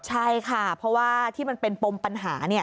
ใช่ค่ะเพราะว่าที่มันเป็นปมปัญหาเนี่ย